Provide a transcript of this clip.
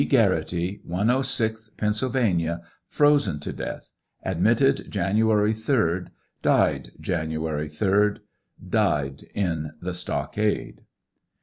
Gerrity, 106th Pennsylvania, frozen to death ; admitted, January 3d, died January 3d.; died in the stockade.